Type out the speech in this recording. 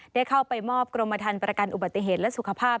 ได้เข้าไปมอบกรมฐานประกันอุบัติเหตุและสุขภาพ